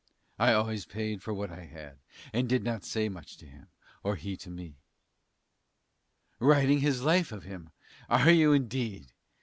I always paid for what I had, and did not say much to him, or he to me writing his life of him, are you indeed?